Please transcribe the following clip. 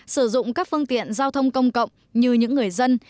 sử dụng các phương tiện giao thông công cộng như những người dân